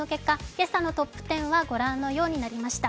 今朝のトップ１０はご覧のようになりました。